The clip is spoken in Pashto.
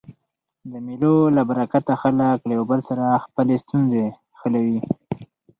د مېلو له برکته خلک له یو بل سره خپلي ستونزي حلوي.